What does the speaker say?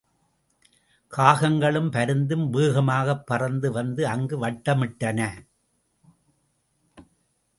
காகங்களும் பருந்தும் வேகமாகப் பறந்து வந்து அங்கு வட்டமிட்டன.